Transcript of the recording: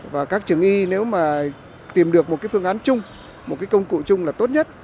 và các trường y nếu mà tìm được một cái phương án chung một cái công cụ chung là tốt nhất